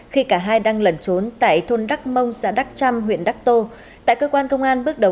khi cả hai đang lẩn trốn tại thôn đắc mông xã đắc trăm huyện đắc tô tại cơ quan công an bước đầu